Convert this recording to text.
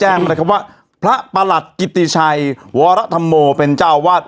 แจ้งมันคำว่าพระประหลัดกิตติชัยวรรธรรโมเป็นเจ้าวัด